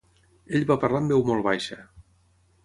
Ell va parlar en veu molt baixa.